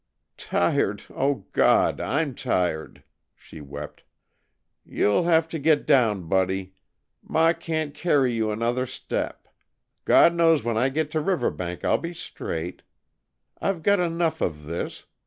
"Tired, oh, God, I'm tired!" she wept. "You'll have to get down, Buddy. Ma can't carry you another step. God knows when I get to Riverbank I'll be straight. I've got enough of this.